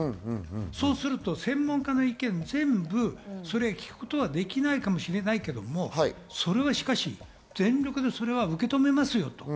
そうすると専門家の意見を全部聞くことはできないかもしれないけれど、全力で受け止めますよと。